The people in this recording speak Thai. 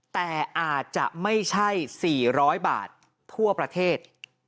แต่อาจจะไม่ใช่๔๐๐บาททั่วประเทศ